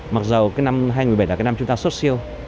mặc dù cái năm hai nghìn một mươi bảy là cái năm chúng ta xuất siêu